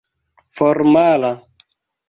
formala